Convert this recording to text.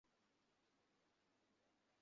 বাবার মৃত্যুর দু বছরের মাথায় মা মারা যান।